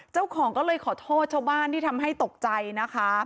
เจ้าของก็เลยขอโทษชาวบ้านที่ทำให้ตกใจนะคะ